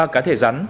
ba cá thể rắn